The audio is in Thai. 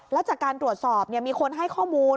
แล้วจากการตรวจสอบมีคนให้ข้อมูล